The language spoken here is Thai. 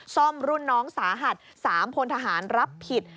ซ่อมรุ่นน้องสาหัส๓พลทหารรับผิด